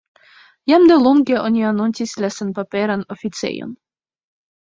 Jam delonge oni anoncis la senpaperan oficejon.